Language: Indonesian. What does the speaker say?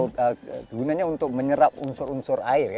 kegunaannya untuk menyerap unsur unsur air